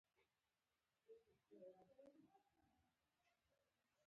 خو زه به په همدې ځای کې د نړۍ ستر پلورنځی جوړوم.